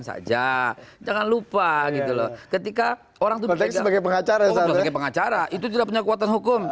saja jangan lupa gitu loh ketika orang berbicara pengacara pengacara itu tidak punya kuatan hukum